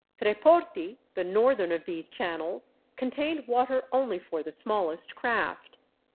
Treporti, the northern of these channels, contained water only for the smallest craft.